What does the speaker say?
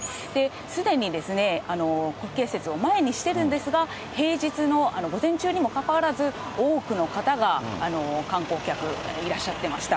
すでに国慶節を前にしてるんですが、平日の午前中にもかかわらず、多くの方が観光客、いらっしゃってました。